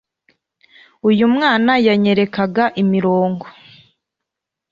uyu mwana yanyerekaga imirongo